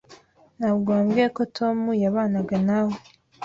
Ntabwo wambwiye ko Tom yabanaga nawe.